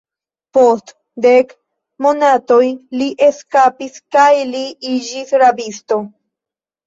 Post dek monatoj li eskapis kaj li iĝis rabisto.